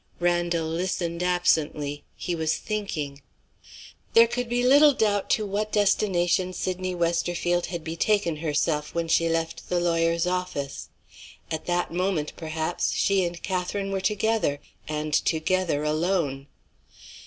Randal listened absently: he was thinking. There could be little doubt to what destination Sydney Westerfield had betaken herself, when she left the lawyer's office. At that moment, perhaps, she and Catherine were together and together alone.